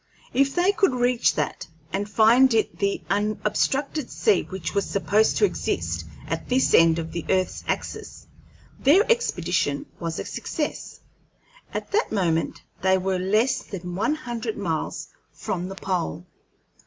If they could reach that, and find it the unobstructed sea which was supposed to exist at this end of the earth's axis, their expedition was a success. At that moment they were less than one hundred miles from the pole.